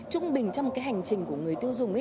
trung bình trong cái hành trình của người tiêu dùng